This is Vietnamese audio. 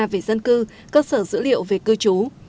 về dân cư cơ sở dữ liệu về cư trú